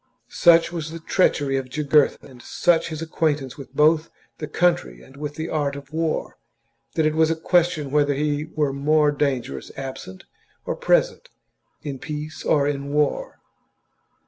Such was the treachery of Jugurtha and such his acquaintance both with the country and with the art of war, that it was a question whether he were more dangerous absent or present, in peace or in war.